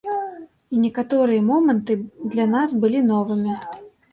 І некаторыя моманты для нас былі новымі.